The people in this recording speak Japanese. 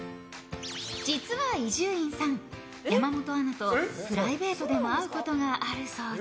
実は伊集院さん山本アナとプライベートでも会うことがあるそうで。